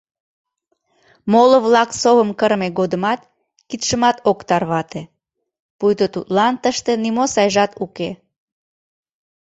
Моло-влак совым кырыме годымат кидшымат ок тарвате, пуйто тудлан тыште нимо сайжат уке.